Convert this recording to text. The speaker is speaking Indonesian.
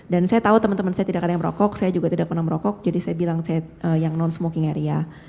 dan saya tahu teman teman saya tidak pernah merokok saya juga tidak pernah merokok jadi saya bilang saya yang non smoking area